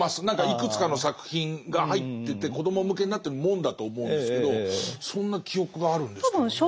何かいくつかの作品が入ってて子ども向けになってるもんだと思うんですけどそんな記憶があるんですけどね。